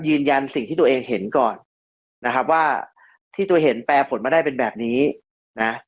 ยืนยันสิ่งที่ตัวเองเห็นก่อนนะครับว่าที่ตัวเองเห็นแปรผลมาได้เป็นแบบนี้นะ